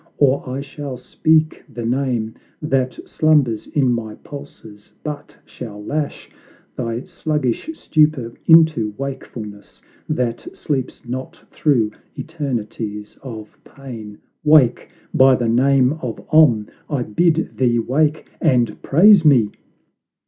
or I shall speak the name That slumbers in my pulses, but shall lash Thy sluggish stupor into wakefulness, That sleeps not through eternities of pain! Wake, by the name of OM, I bid thee wake, And praise me!"